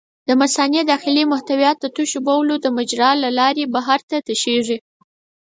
د مثانې داخلي محتویات د تشو بولو د مجرا له لارې بهر ته تشېږي.